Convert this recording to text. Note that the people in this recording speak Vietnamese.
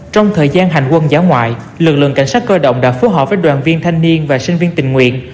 trong thời gian hành quân giả ngoại lực lượng cảnh sát cơ động đã phố họp với đoàn viên thanh niên và sinh viên tình nguyện